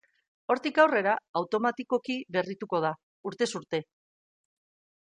Hortik aurrera, automatikoki berrituko da, urtez urte.